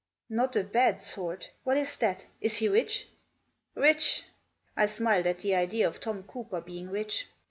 " Not a bad sort ? What is that ? Is he rich ?"" Rich !" I smiled at the idea of Tom Cooper being rich.